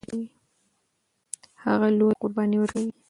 هغه لویه قرباني ورکوي.